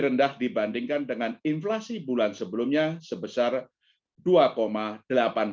rupiah sampai dengan depresiasi dari mata uang sejumlah negara berkembang lainnya